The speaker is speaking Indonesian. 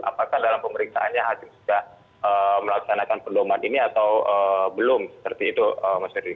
apakah dalam pemerintahannya hakim sudah melaksanakan pendoman ini atau belum seperti itu mas ferdi